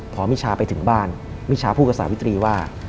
พอมิชาไปถึงบ้านมิชาพูดกับสาวิตรีว่า